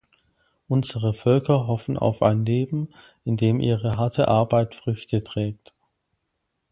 Unsere Völker hoffen auf ein Leben, in dem ihre harte Arbeit Früchte trägt.